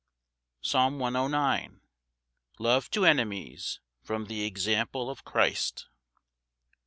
Psalm 109. 1 5 31. Love to enemies, from the example of Christ.